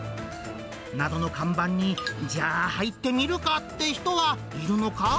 謎の看板に、じゃあ、入ってみるかって人はいるのか。